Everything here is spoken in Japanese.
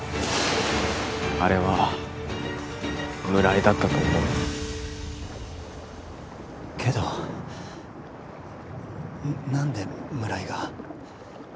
あれは村井だったと思うけど何で村井が？